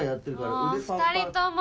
もう２人とも。